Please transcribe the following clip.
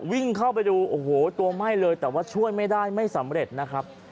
วิ่งเข้าไปดูโอ้โหตัวไหม้เลยแต่ว่าช่วยไม่ได้ไม่สำเร็จนะครับ